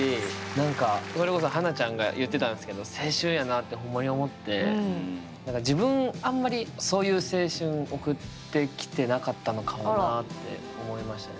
何かそれこそ華ちゃんが言ってたんすけど青春やなあってほんまに思って自分あんまりそういう青春送ってきてなかったのかもなあって思いましたね。